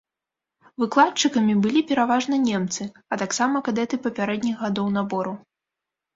Выкладчыкамі былі пераважна немцы, а таксама кадэты папярэдніх гадоў набору.